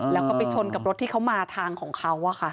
แล้วก็ไปชนกับรถที่เขามาทางของเขา